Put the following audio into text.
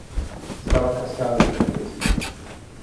Estaba casado y tenía tres hijos.